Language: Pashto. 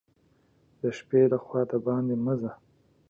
د شپې له خوا دباندي مه ځه !